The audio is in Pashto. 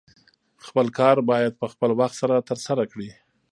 خپل کار باید په خپل وخت سره ترسره کړې